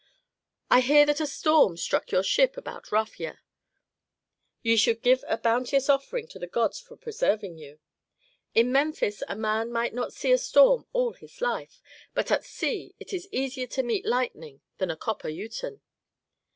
I hear that a storm struck your ship about Rafia? Ye should give a bounteous offering to the gods for preserving you. In Memphis a man might not see a storm all his life, but at sea it is easier to meet lightning than a copper uten.